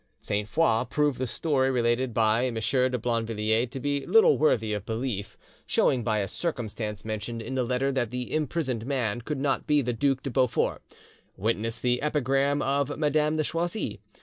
'" Sainte Foix proved the story related by M. de Blainvilliers to be little worthy of belief, showing by a circumstance mentioned in the letter that the imprisoned man could not be the Duc de Beaufort; witness the epigram of Madame de Choisy, "M.